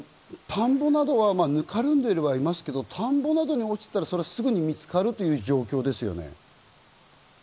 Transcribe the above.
田んぼなどはぬかるんではいますけれども、田んぼなどに落ちていたら、すぐに見つかるといった状況ですよね？